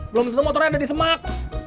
belum tentu motornya ada di semak